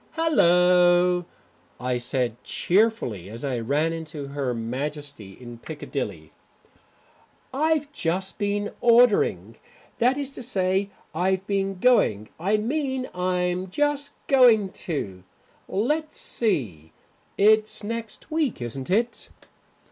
"Hallo," I said cheerfully, as I ran into Her Majesty in Piccadilly, "I've just been ordering that is to say, I've been going I mean I'm just going to Let's see, it's next week, isn't it?"